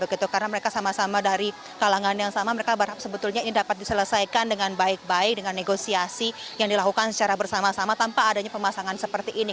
karena mereka sama sama dari kalangan yang sama mereka sebetulnya ini dapat diselesaikan dengan baik baik dengan negosiasi yang dilakukan secara bersama sama tanpa adanya pemasangan seperti ini